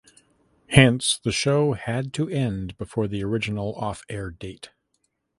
Hence the show had to end before the original off air date.